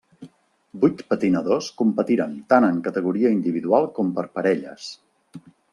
Vuit patinadors competiren tant en categoria individual com per parelles.